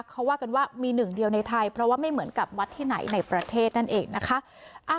เขาว่ากันว่ามีหนึ่งเดียวในไทยเพราะว่าไม่เหมือนกับวัดที่ไหนในประเทศนั่นเองนะคะ